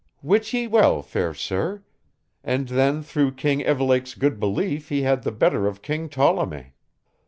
"Wit ye well, fair sir. And then through King Evelake's good belief he had the better of King Tolleme.